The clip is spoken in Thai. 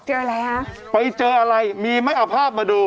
เจออะไรฮะไปเจออะไรมีไหมเอาภาพมาดู